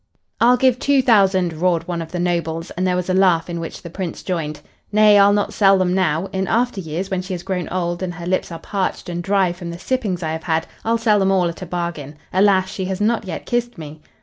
"I'll give two thousand!" roared one of the nobles, and there was a laugh in which the Prince joined. "Nay! I'll not sell them now. In after years, when she has grown old and her lips are parched and dry from the sippings I have had, I'll sell them all at a bargain. Alas, she has not yet kissed me!"